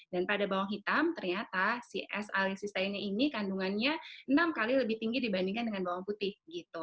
dan pada bawang hitam ternyata si s alilsistein ini kandungannya enam kali lebih tinggi dibandingkan dengan bawang putih